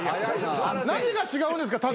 何が違うんですか？